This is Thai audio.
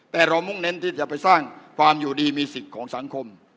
แต่เรามุ่งเน้นที่จะไปสร้างความอยู่ดีมีสิทธิ์ของสังคม